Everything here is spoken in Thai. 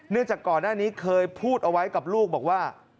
จากก่อนหน้านี้เคยพูดเอาไว้กับลูกบอกว่า